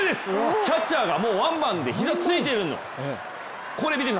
キャッチャーがワンバンで膝ついてるんです。